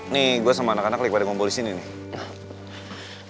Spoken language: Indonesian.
nih gue sama anak anak liat pada kompo disini nih